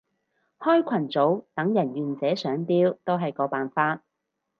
開群組等人願者上釣都係個方法